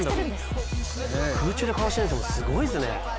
空中でかわしてるんですもんね、すごいですね。